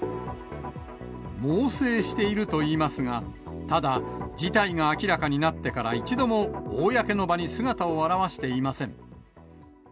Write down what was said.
猛省しているといいますが、ただ、事態が明らかになってから一度も公の場に姿を現していません。